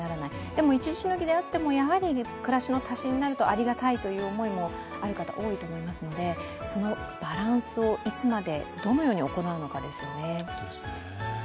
でも一時しのぎになっても、やはり暮らしの足しになるとありがたいという思いもある方、多いと思いますのでそのバランスをいつまでどのように行うのかですよね。